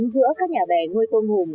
giữa các nhà bè nuôi tôm hùm